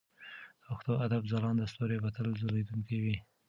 د پښتو ادب ځلانده ستوري به تل ځلېدونکي وي.